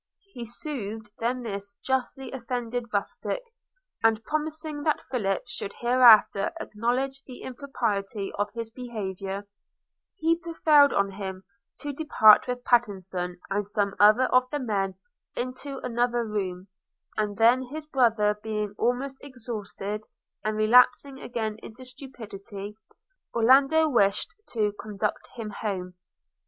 He soothed then this justly offended rustic, and, promising that Philip should hereafter acknowledge the impropriety of his behaviour, he prevailed on him to depart with Pattenson and some other of the men into another room; and then his brother being almost exhausted, and relapsing again into stupidity, Orlando wished to conduct him home.